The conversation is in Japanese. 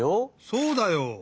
そうだよ！